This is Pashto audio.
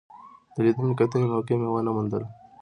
د لیدنې کتنې موقع مې ونه موندله.